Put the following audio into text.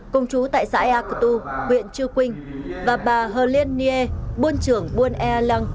công chú tại xã yà cửu huyện chu quynh và bà hờ liên nghê buôn trưởng buôn ea lăng